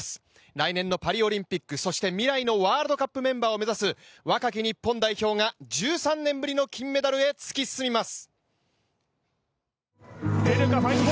来年のパリオリンピックそして未来のワールドカップメンバーを目指す若き日本代表が、１３年ぶりの金メダルへ突き進みます。